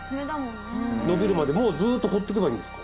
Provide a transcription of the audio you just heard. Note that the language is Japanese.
伸びるまでもうずっと放っておけばいいんですか？